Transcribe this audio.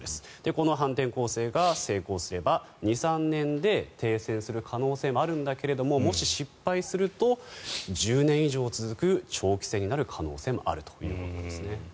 この反転攻勢が成功すれば２３年で停戦する可能性もあるんだけれどももし失敗すると１０年以上続く長期戦になる可能性もあるということです。